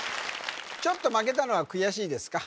ちょっと負けたのは悔しいですか？